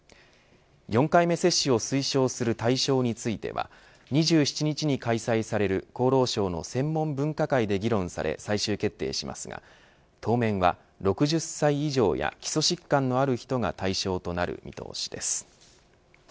４回目接種を推奨する対象については２７日に開催される厚労省の専門分科会で議論され最終決定しますが当面は、６０歳以上や基礎疾患のある人が対象となる見通しです。